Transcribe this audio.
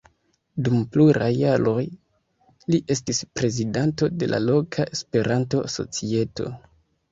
Dum pluraj jaroj li estis prezidanto de la loka Esperanto-societo.